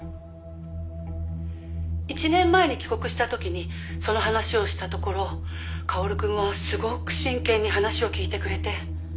「１年前に帰国した時にその話をしたところ薫くんはすごく真剣に話を聞いてくれて」